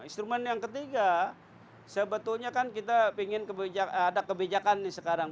instrumen yang ketiga sebetulnya kan kita ingin ada kebijakan nih sekarang